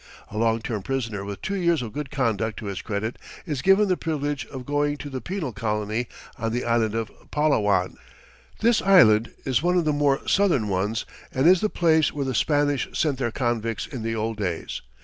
A long term prisoner with two years of good conduct to his credit is given the privilege of going to the penal colony on the island of Palawan. This island is one of the more southern ones, and is the place where the Spanish sent their convicts in the old days.